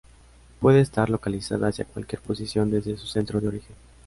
Puede estar localizada hacia cualquier posición desde su centro de origen.